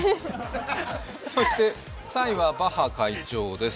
そして３位はバッハ会長です。